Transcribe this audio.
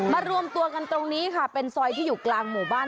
รวมตัวกันตรงนี้ค่ะเป็นซอยที่อยู่กลางหมู่บ้าน